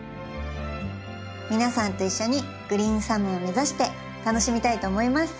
皆さんと一緒にグリーンサムを目指して楽しみたいと思います。